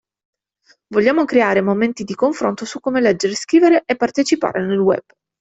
Vogliamo creare momenti di confronto su come leggere, scrivere e partecipare nel Web.